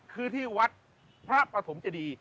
คือที่วัดพระปฐมเจดี